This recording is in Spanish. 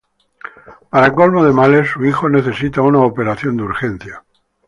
Para colmo de males, su hijo necesita una operación de urgencia.